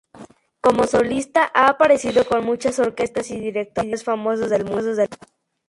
Como solista ha aparecido con muchas orquestas y directores famosos del mundo.